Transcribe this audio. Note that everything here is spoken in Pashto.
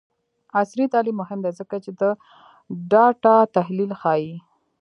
عصري تعلیم مهم دی ځکه چې د ډاټا تحلیل ښيي.